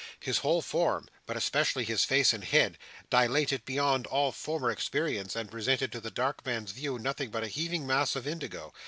His whole form, but especially his face and head, dilated beyond all former experience; and presented to the dark man's view, nothing but a heaving mass of indigo.